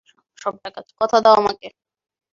কথা দাও আমাকে!